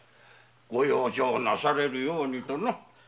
ご養生なされるようにとな。